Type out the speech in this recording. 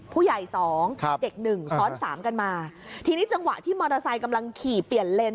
ผู้ใหญ่สองครับเด็กหนึ่งซ้อนสามกันมาทีนี้จังหวะที่มอเตอร์ไซค์กำลังขี่เปลี่ยนเลน